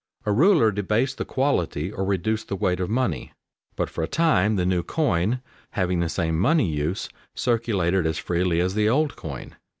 A ruler debased the quality or reduced the weight of money, but for a time the new coin, having the same money use, circulated as freely as the old coin.